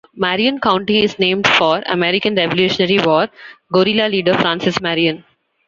Marion County is named for American Revolutionary War guerrilla leader Francis Marion.